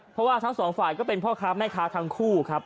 เพราะว่าทั้งสองฝ่ายก็เป็นพ่อค้าแม่ค้าทั้งคู่ครับ